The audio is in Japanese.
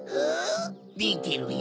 みてろよ